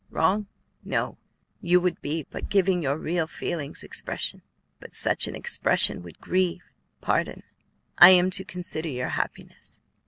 Wrong? No; you would be but giving your real feelings expression. But such an expression would grieve Pardon; I am to consider your happiness."